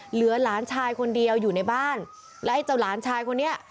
หลานชายคนเดียวอยู่ในบ้านแล้วไอ้เจ้าหลานชายคนนี้